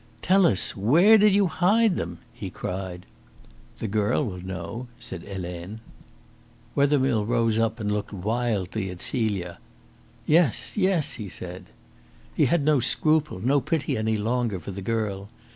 "Tell us where did you hide them?" he cried. "The girl will know," said Helene. Wethermill rose up and looked wildly at Celia. "Yes, yes," he said. He had no scruple, no pity any longer for the girl.